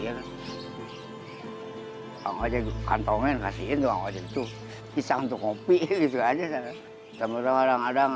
hai angkajeg kantongin kasih itu angkajeg tuh pisang untuk kopi itu aja sama orang